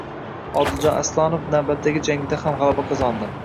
Odiljon Aslonov navbatdagi jangida ham g‘alaba qozondi